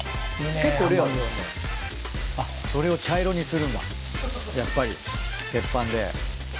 それを茶色にするんだやっぱり鉄板で。